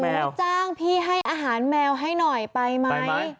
จ้างพี่ให้อาหารแมวให้หน่อยไปไหม